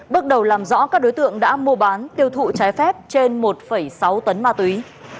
bước đầu làm rõ các đối tượng đã mua bán tiêu thụ trái phép trên một sáu tấn ma túy